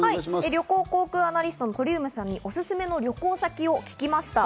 旅行・航空アナリストの鳥海さんにおすすめの旅行先を聞きました。